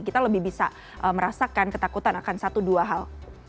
kita lebih bisa merasakan ketakutan akan satu dua hal